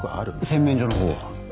洗面所のほうは？